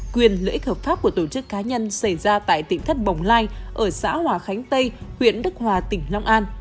quyền lợi ích hợp pháp của tổ chức cá nhân xảy ra tại tỉnh thất bồng lai ở xã hòa khánh tây huyện đức hòa tỉnh long an